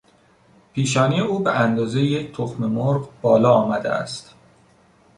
پیشانی او به اندازهی یک تخممرغ بالا آمده است.